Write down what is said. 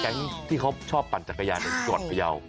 ที่เขาชอบปั่นจักรยานในจังหวัดพยาว